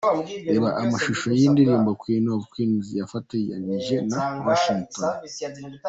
Reba amashusho y'indirimbo 'Queen of queens' yafatanije na Washington.